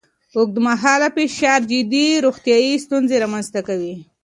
اوږدمهاله فشار جدي روغتیایي ستونزې رامنځ ته کوي.